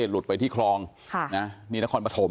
หลุดไปที่คลองค่ะนะนี่นะคต์มาท่ม